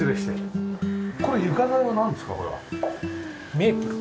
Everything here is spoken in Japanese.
メープル。